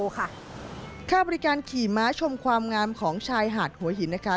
ค่าบริการขี่ม้าชมความงามของชายหาดหัวหินนะคะ